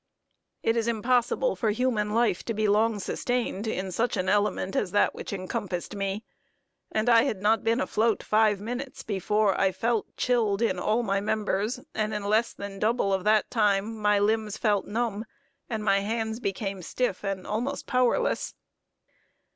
It is impossible for human life to be long sustained in such an element as that which encompassed me; and I had not been afloat five minutes before I felt chilled in all my members, and in less than the double of that time, my limbs felt numbed, and my hands became stiff, and almost powerless.